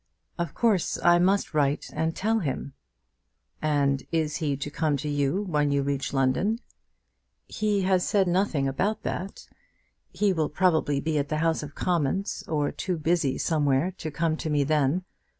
"Of course I must write and tell him." "And is he to come to you, when you reach London?" "He has said nothing about that. He will probably be at the House of Commons, or too busy somewhere to come to me then.